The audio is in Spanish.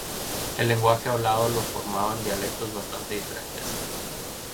El lenguaje hablado lo formaban dialectos bastante diferentes.